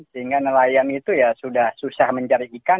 sehingga nelayan itu ya sudah susah mencari ikan